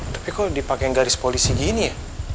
tapi kok dipakai garis polisi gini ya